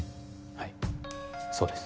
はいそうです。